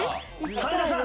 神田さん！